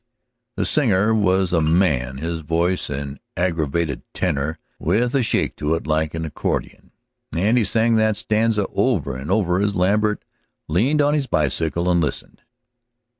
_ The singer was a man, his voice an aggravated tenor with a shake to it like an accordion, and he sang that stanza over and over as Lambert leaned on his bicycle and listened.